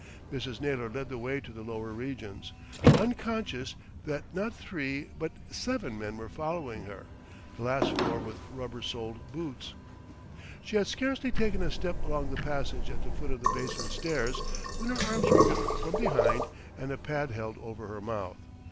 Mrs. Naylor led the way to the lower regions, unconscious that not three but seven men were following her, the last four with rubber soled boots. She had scarcely taken a step along the passage at the foot of the basement stairs, when her arms were gripped from behind and a pad held over her mouth.